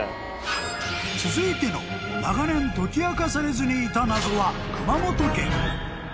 ［続いての長年解き明かされずにいた謎は熊本県］